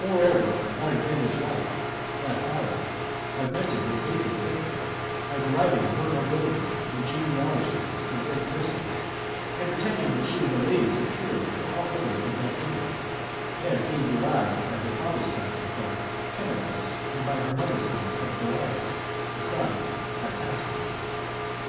Moreover, Alexander's wife, Glaphyra, augmented this hatred against them, by deriving her nobility and genealogy [from great persons], and pretending that she was a lady superior to all others in that kingdom, as being derived by her father's side from Temenus, and by her mother's side from Darius, the son of Hystaspes.